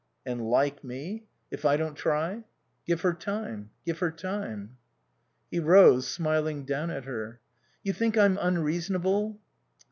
"And 'like' me? If I don't try." "Give her time. Give her time." He rose, smiling down at her. "You think I'm unreasonable?"